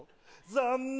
残念。